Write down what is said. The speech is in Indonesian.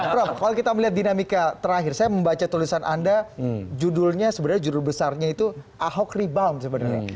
prof kalau kita melihat dinamika terakhir saya membaca tulisan anda judulnya sebenarnya judul besarnya itu ahok rebound sebenarnya